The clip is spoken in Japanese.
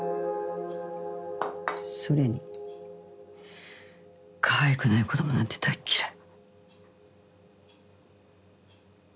それにかわいくない子どもなんて大嫌い。